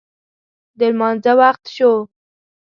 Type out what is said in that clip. د لمانځه وخت شو